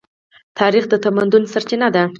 تاریخ د تمدن سرچینه ده.